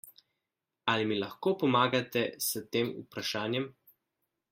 Ali mi lahko pomagate s tem vprašanjem?